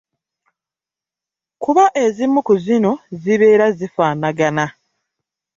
Kuba ezimu ku zino zibeera zifaanagana.